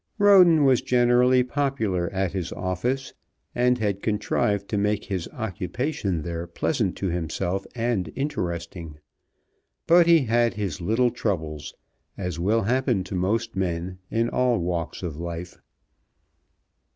Roden was generally popular at his office, and had contrived to make his occupation there pleasant to himself and interesting; but he had his little troubles, as will happen to most men in all walks of life.